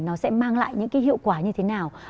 nó sẽ mang lại những cái hiệu quả như thế nào